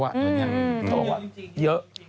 เขาบอกว่าเยอะ